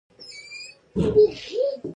مکالمې ژور مفاهیم انتقالوي.